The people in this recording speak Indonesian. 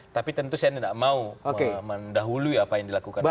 tapi tentu saya tidak mau mendahului apa yang dilakukan